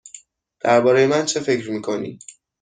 درباره من چه فکر می کنی؟